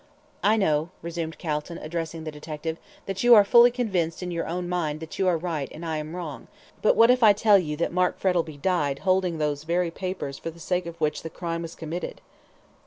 "I know," resumed Calton, addressing the detective, "that you are fully convinced in your own mind that you are right and I am wrong, but what if I tell you that Mark Frettlby died holding those very papers for the sake of which the crime was committed?"